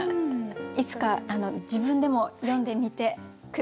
いつか自分でも詠んでみて下さい。